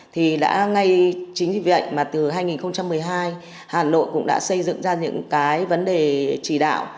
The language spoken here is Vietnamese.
thì đã ngay chính vì vậy mà từ hai nghìn một mươi hai hà nội cũng đã xây dựng ra những cái vấn đề chỉ đạo